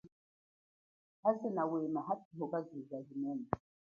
Homa nawema hathuka zuza linene.